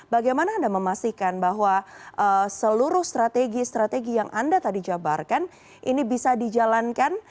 bagaimana anda memastikan bahwa seluruh strategi strategi yang anda tadi jabarkan ini bisa dijalankan